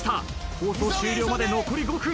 放送終了まで残り５分。